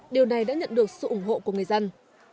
điều này đã nhận được sự ủng hộ của người dân